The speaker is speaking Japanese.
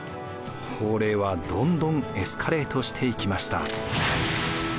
法令はどんどんエスカレートしていきました。